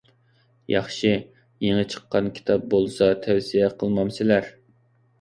ياخشى، يېڭى چىققان كىتاب بولسا تەۋسىيە قىلمامسىلەر؟